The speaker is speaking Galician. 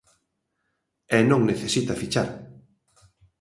E non necesita fichar.